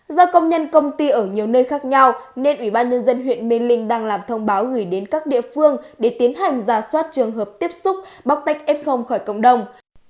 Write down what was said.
do công nhân công ty ở nhiều nơi khác nhau nên ủy ban nhân dân huyện mê linh đang làm thông báo gửi đến các địa phương để tiến hành ra soát trường hợp tiếp xúc bóc tách f khỏi cộng đồng